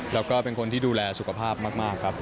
แล้วก็เป็นคนที่ดูแลสุขภาพมากครับ